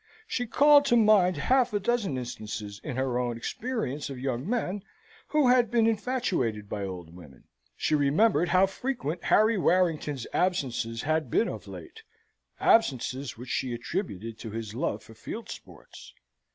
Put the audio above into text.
She called to mind half a dozen instances in her own experience of young men who had been infatuated by old women. She remembered how frequent Harry Warrington's absences had been of late absences which she attributed to his love for field sports.